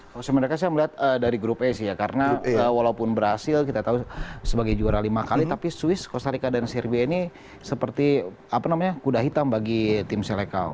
kalau semi neraka saya melihat dari grup a sih ya karena walaupun berhasil kita tahu sebagai juara lima kali tapi swiss costa rica dan serbia ini seperti kuda hitam bagi tim selekau